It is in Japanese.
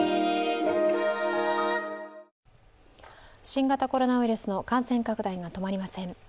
新型コロナウイルスの感染拡大が止まりません。